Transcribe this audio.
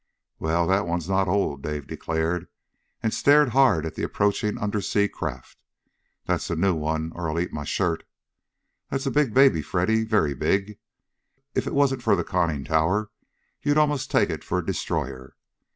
"Well, that one's not old," Dave declared, and stared hard at the approaching undersea craft. "That's a new one, or I'll eat my shirt. That's a big baby, Freddy, very big. If it wasn't for the conning tower you'd almost take it for a destroyer.